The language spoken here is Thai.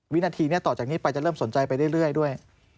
วินาทีนี้ต่อจากนี้ไปจะเริ่มสนใจไปเรื่อยด้วย